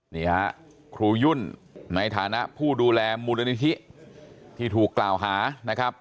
นี่ฮะครูยุ่นในฐานะผู้ดูแลมูลนิธิที่ถูกกล่าวหานะครับ